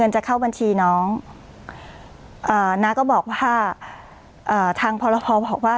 จะเข้าบัญชีน้องอ่าน้าก็บอกว่าอ่าทางพรพอบอกว่า